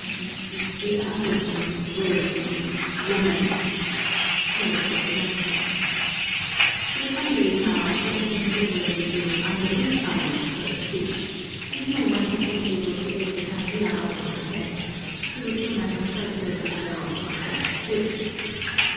"T the other w way, w woman!" corrected the doctor. For some days now she had been endeavoring to Andalusize her speech, and no one had been able to get this idea out of her head she would sooner have first let them tear off her false frizzes.